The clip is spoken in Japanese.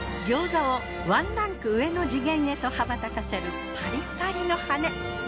餃子をワンランク上の次元へと羽ばたかせるパリパリの羽根。